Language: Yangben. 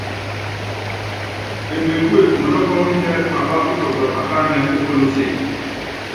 Emegúe, mɔnɔ́ pɔ́ɔmindɛ mapá ukɔtɔ akáánɛ ókolose.